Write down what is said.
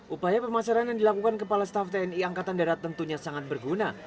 upaya pemasaran yang dilakukan kepala staff tni angkatan darat tentunya sangat berguna